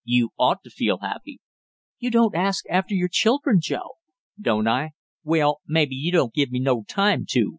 "You ought to feel happy." "You don't ask after your children, Joe. " "Don't I? Well, maybe you don't give me no time to!"